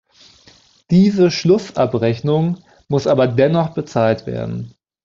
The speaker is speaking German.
Diese Schlussabrechnung muss aber dennoch bezahlt werden.